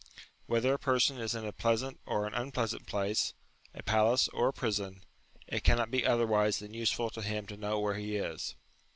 Whether a person is in a pleasant or in an unpleasant place, a palace or a prison, it cannot be otherwise than useful to him to know where he is.